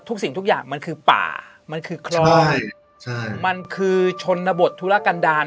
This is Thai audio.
สิ่งทุกอย่างมันคือป่ามันคือคลองใช่มันคือชนบทธุรกันดาล